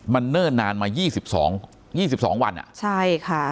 มันเนิ่นนานมายี่สิบสองยี่สิบสองวันอ่ะใช่ค่ะ